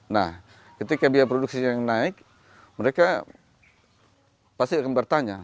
nah ketika biaya produksi yang naik mereka pasti akan bertanya